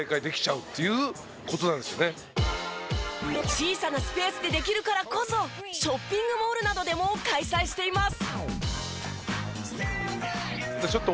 小さなスペースでできるからこそショッピングモールなどでも開催しています。